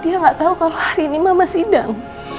dia gak tau kalo hari ini mama sidang